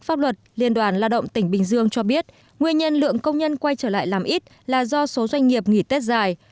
pháp luật liên đoàn lao động tỉnh bình dương cho biết nguyên nhân lượng công nhân quay trở lại làm ít là do số doanh nghiệp nghỉ tết dài